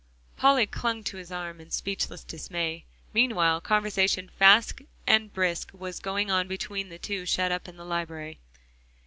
Polly clung to his arm in speechless dismay. Meanwhile conversation fast and brisk was going on between the two shut up in the library.